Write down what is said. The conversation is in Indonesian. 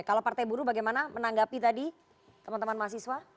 kalau partai buruh bagaimana menanggapi tadi teman teman mahasiswa